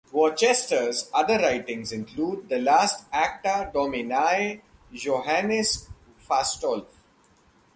Worcester's other writings include the last "Acta domini Johannis Fastolf".